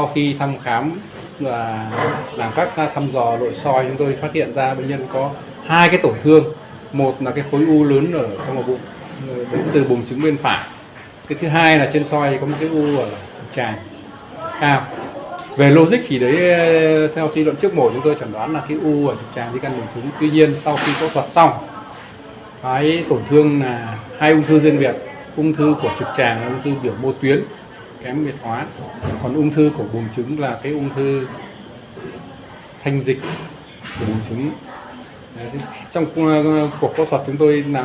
kết quả giải phóng bệnh phẩm sau phẫu thuật xác định ung thư biểu mô tuyến trực tràng kém biệt hóa ung thư thanh dịch buông trứng